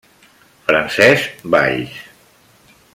Francesc Valls.